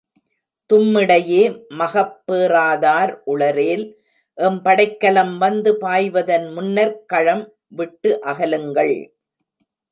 தும்மிடையே மகப் பெறாதார் உளரேல், M படைக்கலம் வந்து பாய்வதன் முன்னர்க் களம் விட்டு அகலுங்கள்.